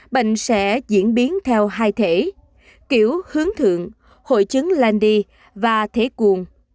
bệnh sẽ diễn biến theo hai thể kiểu hướng thượng hội chứng landy và thể cuồng